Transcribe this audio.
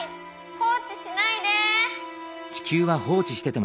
放置しないで。